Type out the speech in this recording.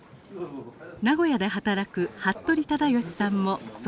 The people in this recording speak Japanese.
名古屋で働く服部忠誉さんもその一人。